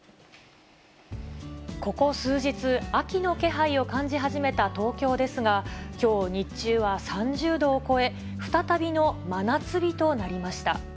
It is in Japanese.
ここ数日、秋の気配を感じ始めた東京ですが、きょう、日中は３０度を超え、再びの真夏日となりました。